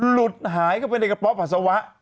หลุดหายเข้าไปในกระเพาะปัสสาวะ